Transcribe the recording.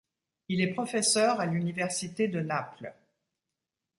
Il est professeur à l'université de Naples.